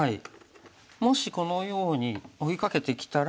もしこのように追いかけてきたら。